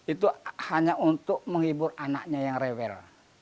itu hanya untuk menghibur anaknya yang rewel